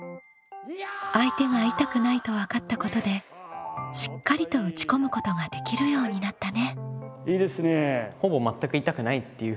相手が痛くないと分かったことでしっかりと打ち込むことができるようになったね。